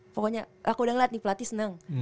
pokoknya aku udah ngeliat nih pelatih seneng